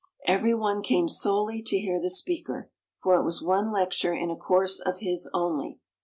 Every one came solely to hear the speaker, for it was one lecture in a course of his only.